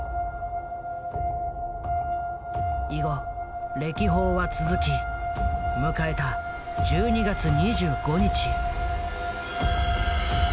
以後歴訪は続き迎えた１２月２５日。